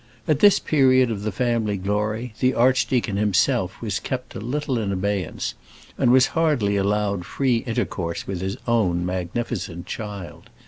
At this period of the family glory the archdeacon himself was kept a little in abeyance, and was hardly allowed free intercourse with his own magnificent child.